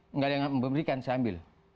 enggak yang memberikan saya ambil